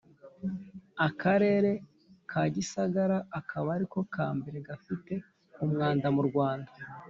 akarere ka gisagara akaba ariko kambere gafite umwanda mu rwanda